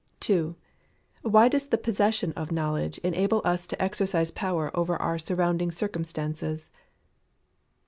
2. _Why does the possession of knowledge enable us to exercise power over surrounding circumstances?